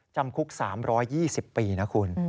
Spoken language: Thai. จำคุก๓๒๐ปีนะคุณ